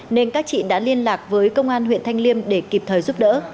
nên các chị đã liên lạc với công an huyện thanh liêm để kịp thời giúp đỡ